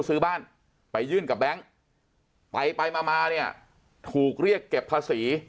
ซื้อบ้านไปยื่นกับแบงค์ไปไปมามาเนี่ยถูกเรียกเก็บภาษี